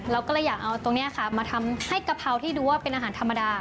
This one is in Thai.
เราก็เลยอยากเอาตรงนี้ค่ะมาทำให้กะเพราที่ดูว่าเป็นอาหารธรรมดา